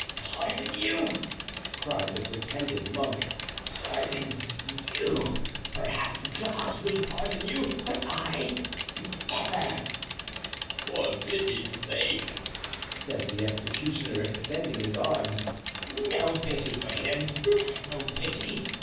"Pardon you!" cried the pretended monk, "pardon you! Perhaps God will pardon you, but I, never!" "For pity's sake," said the executioner, extending his arms. "No pity for him who had no pity!